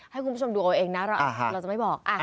ให้คุณผู้ชมดูเอาเองนะเราจะไม่บอก